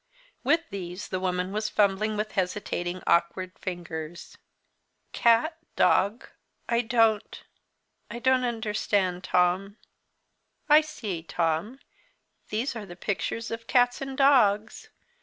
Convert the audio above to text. With these the woman was fumbling with hesitating, awkward fingers. "Cat dog? I don't I don't understand, Tom I see, Tom, these are the pictures of cats and dogs.